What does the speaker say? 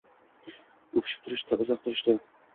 O’pishib turishdi… Uzoq turishdi.